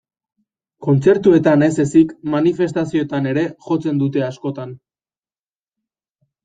Kontzertuetan ez ezik, manifestazioetan ere jotzen dute askotan.